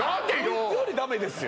こいつよりダメですよ